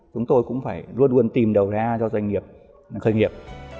chúng tôi cũng phải luôn luôn tìm đầu ra cho doanh nghiệp khởi nghiệp